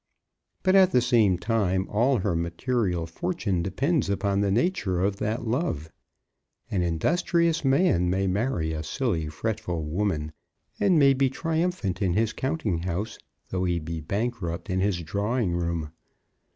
But at the same time all her material fortune depends upon the nature of that love. An industrious man may marry a silly fretful woman, and may be triumphant in his counting house though he be bankrupt in his drawing room.